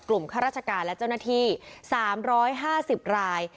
ข้าราชการและเจ้าหน้าที่๓๕๐ราย